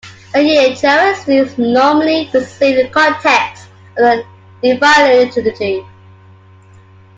The Eucharist is normally received in the context of the Divine Liturgy.